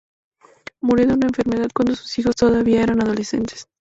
Murió de una enfermedad cuando sus hijos todavía eran adolescentes.